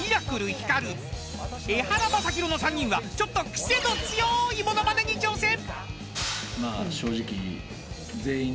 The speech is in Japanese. ［の３人はちょっとクセの強いものまねに挑戦］